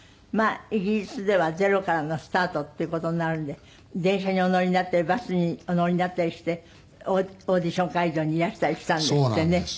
まあイギリスではゼロからのスタートっていう事になるんで電車にお乗りになったりバスにお乗りになったりしてオーディション会場にいらしたりしたんですってね。